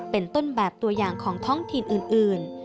เป็นต้นแบบตัวอย่างของท้องถิ่นอื่น